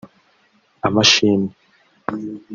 Amashimwe